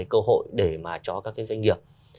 cơ hội để mà cho các doanh nghiệp